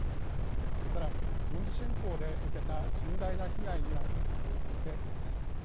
ただ、軍事侵攻で受けた甚大な被害には追いついていません。